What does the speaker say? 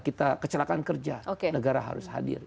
kita kecelakaan kerja negara harus hadir